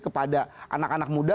kepada anak anak muda